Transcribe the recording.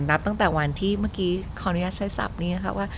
นับตั้งแต่วันที่เมื่อกี้ขออนุญาตใช้ศัพท์นี้นะคะว่า